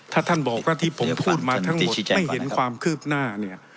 ถ้าท่านบอกว่าที่ผมพูดมาทั้งหมดไม่เห็นความคืบหน้าเนี่ย